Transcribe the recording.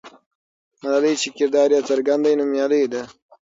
ملالۍ چې کردار یې څرګند دی، نومیالۍ ده.